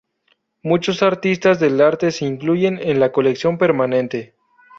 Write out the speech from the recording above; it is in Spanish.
Muchos artistas del arte se incluyen en la colección permanente.